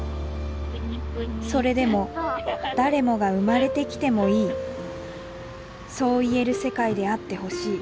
それでも誰もが生まれてきてもいいそう言える世界であってほしい